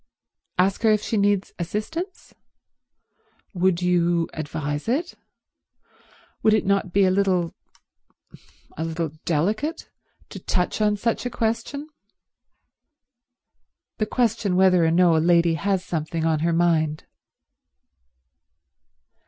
"Ask her if she needs assistance? Would you advise it? Would it not be a little—a little delicate to touch on such a question, the question whether or no a lady has something on her mind?"